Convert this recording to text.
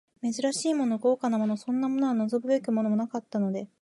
珍しいもの、豪華なもの、そんなものは望むべくもなかったので、